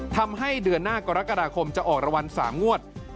ทำให้เดือนหน้ากรกฎาคมจะออกรางวัล๓งวด